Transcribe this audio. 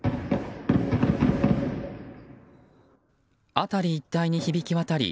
辺り一帯に響き渡り